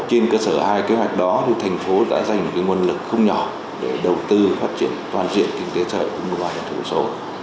trên cơ sở hai kế hoạch đó thành phố đã dành nguồn lực không nhỏ để đầu tư phát triển toàn diện kinh tế thậu cũng gọi là thiểu số